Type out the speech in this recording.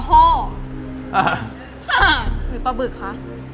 กะโฮหรือปลาบึกคะ